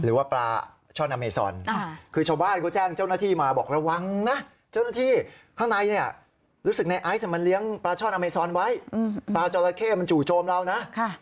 หรือว่าปลาช่อนอเมซอนคือชาวบ้านเขาแจ้งเจ้าหน้าที่มาบอกระวังนะเจ้าหน้าที่ข้างในเนี่ยรู้สึกในไอซ์มันเลี้ยงปลาช่อนอเมซอนไว้ปลาจอราเข้มันจู่โจมเรานะ